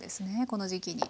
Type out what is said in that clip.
この時期に。